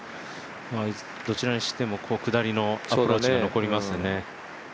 どちらにしても下りのアプローチが残りますね。